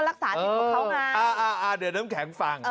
รักษาปิดบุคคลเข้างานอะอะอะเดี๋ยวน้ำแข็งฟัง